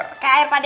kek air pade